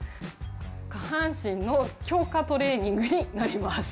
下半身の強化トレーニングになります。